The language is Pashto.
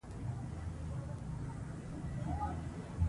قاچاق ملي عاید غلا کوي.